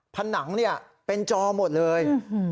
ผนังเป็นจอหมดเลย